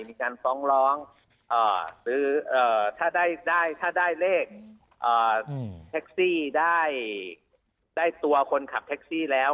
มีการฟ้องร้องหรือถ้าได้เลขแท็กซี่ได้ตัวคนขับแท็กซี่แล้ว